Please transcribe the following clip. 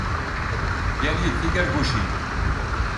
Gan-iyi-d tigargucin.